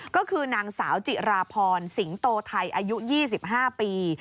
ก็คือนางสาวจิราพรสิงโตไทยอายุ๒๕ปี